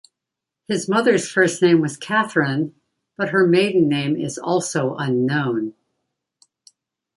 His mother's first name was Katherine, but her maiden name is also unknown.